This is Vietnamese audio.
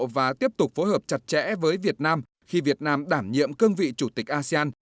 và tiếp tục phối hợp chặt chẽ với việt nam khi việt nam đảm nhiệm cương vị chủ tịch asean